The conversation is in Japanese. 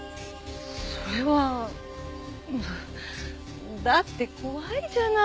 それは。だって怖いじゃない！